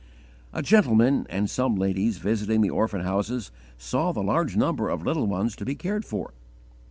A gentleman and some ladies visiting the orphan houses saw the large number of little ones to be cared for.